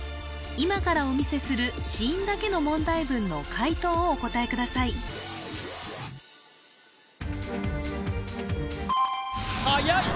今からお見せする子音だけの問題文の解答をお答えくださいはやい！